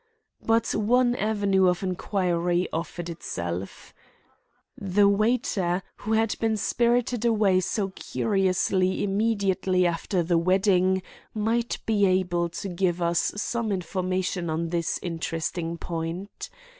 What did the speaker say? But one avenue of inquiry offered itself. The waiter, who had been spirited away so curiously immediately after the wedding; might be able to give us some information on this interesting point.